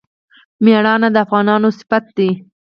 میړانه د افغانانو صفت دی.